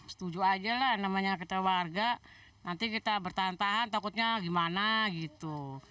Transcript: setuju aja lah namanya kita warga nanti kita bertahan tahan takutnya gimana gitu